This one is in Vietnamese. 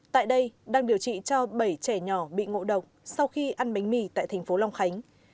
tại đây đang điều trị cho bảy trẻ nhỏ bị ngộ độc sau khi ăn bánh mì tại thành phố long khánh